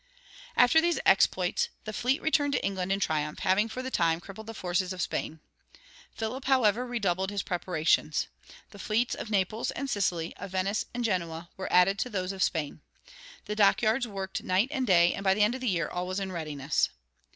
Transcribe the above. After these exploits the fleet returned to England in triumph, having for the time crippled the forces of Spain. Philip, however, redoubled his preparations. The fleets of Naples and Sicily, of Venice and Genoa, were added to those of Spain. The dockyards worked night and day, and by the end of the year all was in readiness.